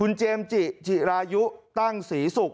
ขอเลื่อนสิ่งที่คุณหนูรู้สึก